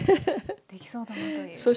できそうだなという。